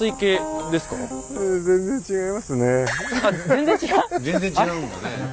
全然違うんだねえ。